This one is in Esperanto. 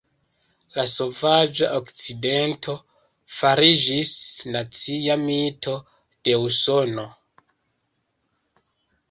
La "sovaĝa okcidento" fariĝis nacia mito de Usono.